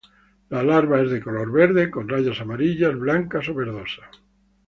La larva es de color verde con rayas amarillas, blancas o verdosas.